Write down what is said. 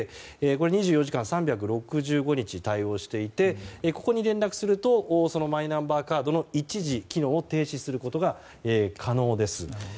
これ２４時間３６５日対応していてここに連絡するとマイナンバーカードの一時、機能を停止することが可能です。